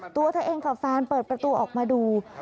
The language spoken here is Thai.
ตัวเธอเองกับแฟนเปิดประตูออกมาดู